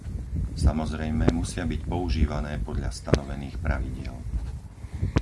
Samozrejme, musia byť používané podľa stanovených pravidiel.